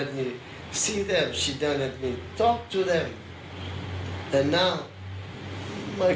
๓ปีแล้วฉันกำลังฝ่าย